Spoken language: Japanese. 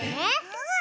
うん！